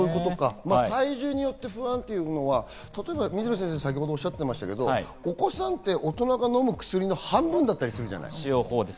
体重によって不安というものは水野先生が先ほどおっしゃってましたけど、お子さんって大人が飲む薬の半分だったりするじゃない？